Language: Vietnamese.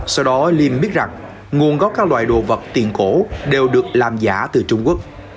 sau đó liêm biết rằng nguồn gốc các loại đồ vật tiền cổ đều được làm giả từ trung quốc